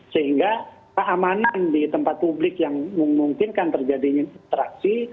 sehingga keamanan di tempat publik yang memungkinkan terjadinya interaksi